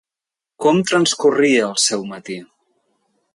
Com transcorria el seu matí?